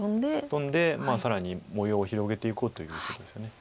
トンで更に模様を広げていこうということですよね。